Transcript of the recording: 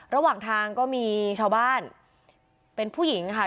ระหว่างทางก็มีชาวบ้านเป็นผู้หญิงค่ะ